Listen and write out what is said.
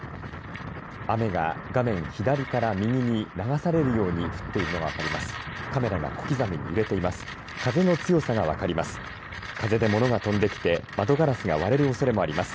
雨が画面左から右に流されるように降っているのが分かります。